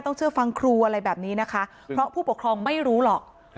เชื่อฟังครูอะไรแบบนี้นะคะเพราะผู้ปกครองไม่รู้หรอก